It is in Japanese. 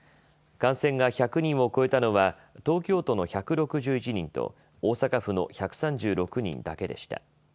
感染が１００人を超えたのは東京都の１６１人と大阪府の１３６人だけでした。